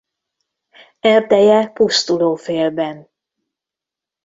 Erdeje pusztuló félben.